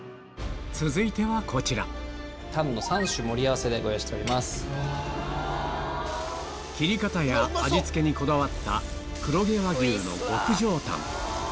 続いてはこちら切り方や味付けにこだわった黒毛和牛の極上タン